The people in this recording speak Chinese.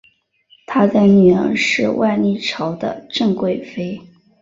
他的女儿是万历朝的郑贵妃。